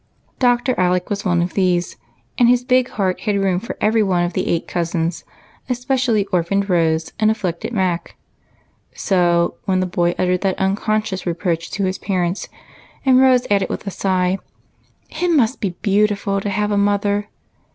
Dr. Alec was one of these, and his big heart had room for every one of the eight cousins, especially orphaned Rose and afflicted Mac ; so, when the boy uttered that unconscious reproach to his parents, and Rose added with a sigh, " It must be beautiful to have a mother